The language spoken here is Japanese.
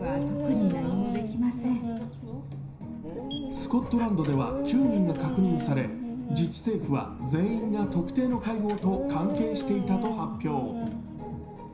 スコットランドでは９人が確認され自治政府は全員が特定の会合と関係していたと発表。